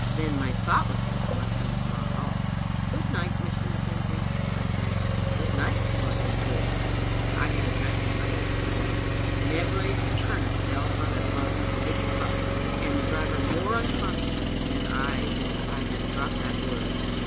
Then my thoughtlessness must needs mar all. "Good night, Mr. McKenzie," I said. "Good night, Lord Rintoul." I had addressed him by his real name. Never a tur nip fell from a bumping, laden cart, and the driver more unconscious of it, than I that I had dropped that word.